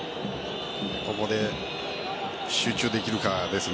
ここで集中できるかですね。